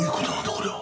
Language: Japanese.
これは。